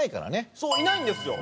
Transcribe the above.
そういないんですよ。